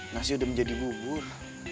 nasi udah menjadi bubur